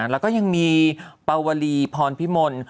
แล้วก็ยังมีปาวลีพรพิมล